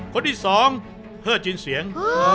คนที่สองเลิศจินเสียง